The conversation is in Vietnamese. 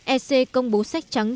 ec công bố sách trắng